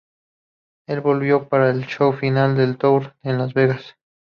Él volvió para el show final del tour en Las Vegas.